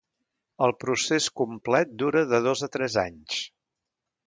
El procés complet dura de dos a tres anys.